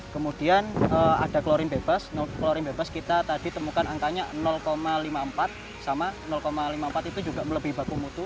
kemudian ada klorin bebas klorin bebas kita tadi temukan angkanya lima puluh empat sama lima puluh empat itu juga melebihi baku mutu